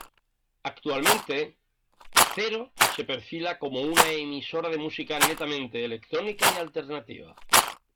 Actualmente, Zero se perfila como una emisora de música netamente electrónica y alternativa.